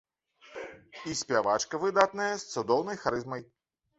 І спявачка выдатная, з цудоўнай харызмай.